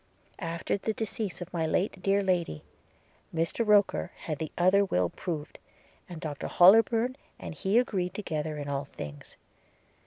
'After the decease of my late dear lady, Mr Roker, had the other will proved; and Dr Hollybourn and he agreed together in all things.